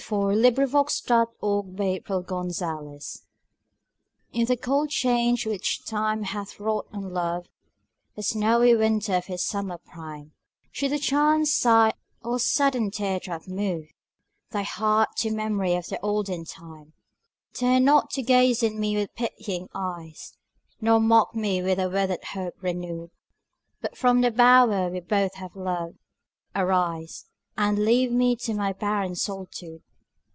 Caroline Norton The Cold Change IN the cold change which time hath wrought on love (The snowy winter of his summer prime), Should a chance sigh or sudden tear drop move Thy heart to memory of the olden time; Turn not to gaze on me with pitying eyes, Nor mock me with a withered hope renewed; But from the bower we both have loved, arise And leave me to my barren solitude!